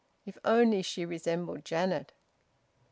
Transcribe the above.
If only she resembled Janet!